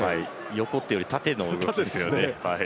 横というより縦の動きですよね。